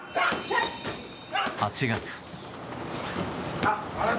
８月。